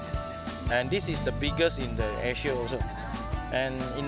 layang layang paus ini juga terbesar di asia